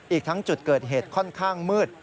อีกทั้งจุดเกิดเหตุค่อนข้างมืด